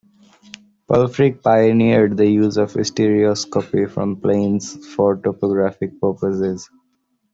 Pulfrich pioneered the use of stereoscopy from planes for topographic purposes.